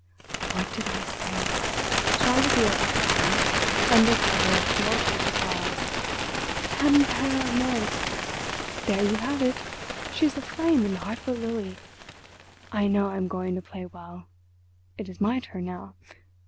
"What did I say?" shouted the Herr Professor under cover of tumultuous applause, "tem per ament! There you have it. She is a flame in the heart of a lily. I know I am going to play well. It is my turn now.